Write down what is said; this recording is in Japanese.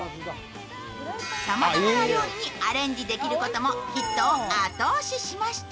さまざまな料理にアレンジできることもヒットを後押ししました。